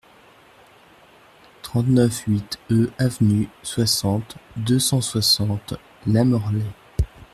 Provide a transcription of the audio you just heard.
trente-neuf huit e Avenue, soixante, deux cent soixante, Lamorlaye